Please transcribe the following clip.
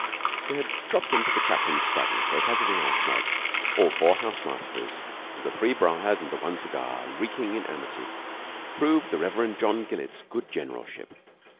They had dropped into the chaplain's study for a Saturday night smoke all four house masters and the three briars and the one cigar reeking in amity proved the Rev. John Gillett's good generalship.